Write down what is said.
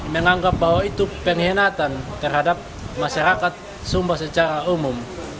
menganggap bahwa itu pengkhianatan terhadap masyarakat sumba secara umum